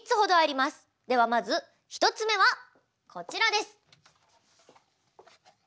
ではまず１つ目はこちらです。